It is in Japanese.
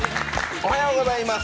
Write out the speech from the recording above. おはようございます。